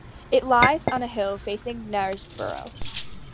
It lies on a hill facing Knaresborough.